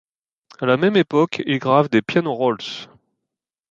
À la même époque, il grave des Piano Rolls.